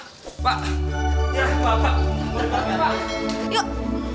ya bapak origaminya pak